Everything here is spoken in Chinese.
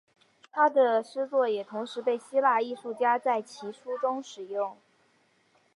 他的诗作也同时被希腊艺术家在其书中使用。